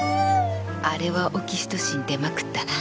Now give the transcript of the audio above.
あれはオキシトシン出まくったな